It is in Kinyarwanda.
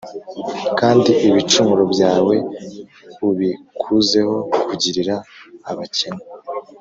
kandi ibicumuro byawe ubikuzeho kugirira abakene